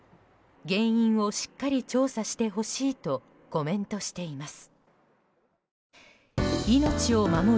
原因をしっかり調査してほしいとコメントしています。